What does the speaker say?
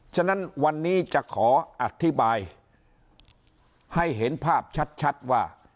ฉะนั้นวันนี้จะขออธิบายให้เห็นภาพชัดว่า